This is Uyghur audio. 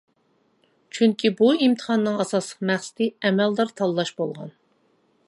چۈنكى بۇ ئىمتىھاننىڭ ئاساسلىق مەقسىتى ئەمەلدار تاللاش بولغان.